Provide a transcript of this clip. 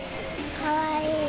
かわいい。